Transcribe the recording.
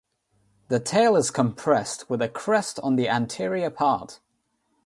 The tail is compressed with a crest on the anterior part.